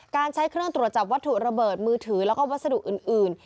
การใช้เครื่องตรวจจับวัตถุระเบิดมือถือแล้วก็วัสดุอื่น